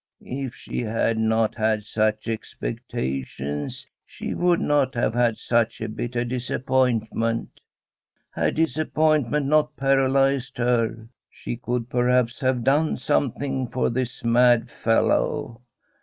If she had not had such expectations, she would not have had such a bitter disappointment. Had disappointment not paralyzed her, she could per haps have done something for this mad fellow.